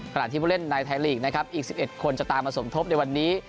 ขณะที่ผู้เล่นในไทยลีกนะครับอีก๑๑คนจะตามมาสมทบในวันนี้